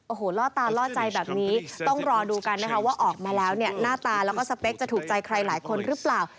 โอ้โหล่อตาล่อใจแบบนี้ต้องรอดูกันนะคะว่าออกมาแล้วเนี่ยหน้าตาแล้วก็สเปคจะถูกใจใครหลายคนหรือเปล่า